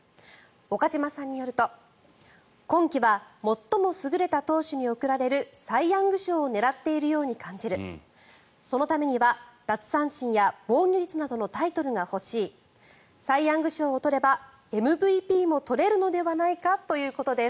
岡島さんによると今季は最も優れた投手に贈られるサイ・ヤング賞を狙っているように感じるそのためには奪三振や防御率などのタイトルが欲しいサイ・ヤング賞を取ればＭＶＰも取れるのではないかということです。